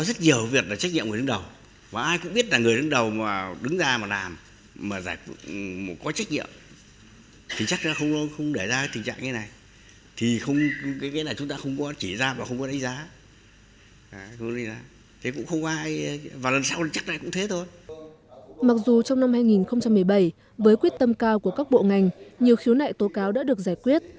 mặc dù trong năm hai nghìn một mươi bảy với quyết tâm cao của các bộ ngành nhiều khiếu nại tố cáo đã được giải quyết